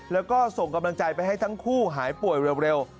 แล้วก็ส่งกำลังใจไปให้ทั้งคู่หายป่วยเร็ว